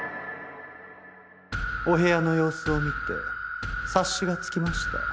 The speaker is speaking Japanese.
お部屋の様子を見て察しがつきました。